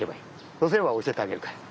そうすればおしえてあげるから。